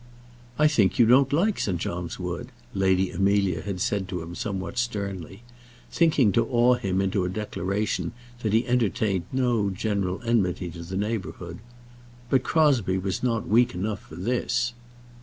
"I think you don't like St. John's Wood," Lady Amelia had said to him somewhat sternly, thinking to awe him into a declaration that he entertained no general enmity to the neighbourhood. But Crosbie was not weak enough for this.